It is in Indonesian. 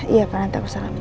iya pak nanti aku salamin